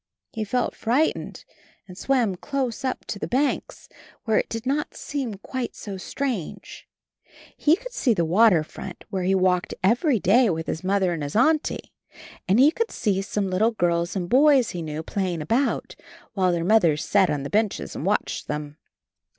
He felt frightened and swam close up to the banks, where it did not seem quite so strange. He could see the water front. 32 CHARLIE where he walked every day with his Mother and his Auntie, and he could see some httle girls and boys he knew playing about, while their mothers sat on the benches and watched them.